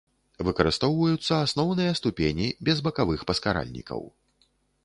Выкарыстоўваюцца асноўныя ступені, без бакавых паскаральнікаў.